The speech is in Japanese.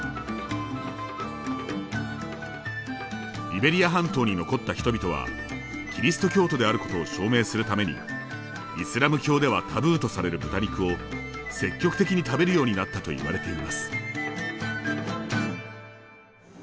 イベリア半島に残った人々はキリスト教徒であることを証明するためにイスラム教ではタブーとされる豚肉を積極的に食べるようになったといわれています。